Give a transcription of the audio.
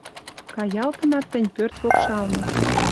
Каялтынат тӹнь пӧрт покшалны